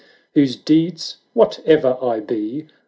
whose deeds —" "Whate'er I be.